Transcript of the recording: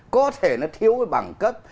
có thể nó thiếu về bằng cấp